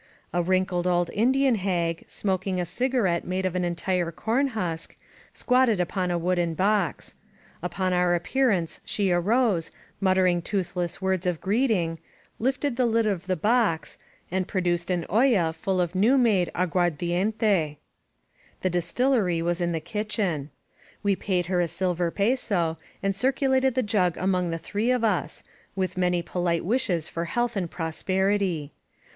A wrinkled old Indian hag, smoking a cigarette made of an entire corn husk, squatted upon a wooden box. Upon our appearance she arose, muttering toothless words of greeting, lifted the lid of the box, and pro duced an oUa full of new made aguardiente. The dis 810 LOS PASTORES tillery was in the kitchen. We paid her a silver peso, and circulated the jug among the three of us, with many polite wishes for health and prosperity.